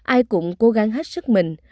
ai cũng cố gắng hết sức mình